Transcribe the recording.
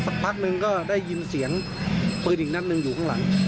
พักหนึ่งก็ได้ยินเสียงปืนอีกนัดหนึ่งอยู่ข้างหลัง